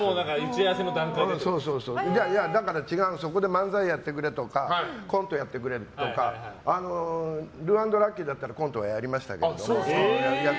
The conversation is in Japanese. だからそこで漫才やってくれとかコントやってくれとかルー＆ラッキィだったらコントやりましたけど。